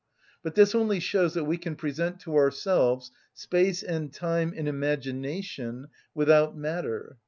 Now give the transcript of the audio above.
But this only shows that we can present to ourselves space and time in imagination without matter.